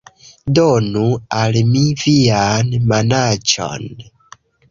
Donu al mi vian manaĉon